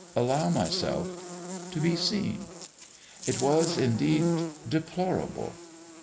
allow myself ... to be seen. It was indeed ... deplorable